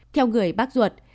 theo người bác ruột